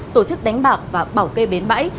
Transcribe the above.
tổ chức đánh bạc và bảo kê bến bãi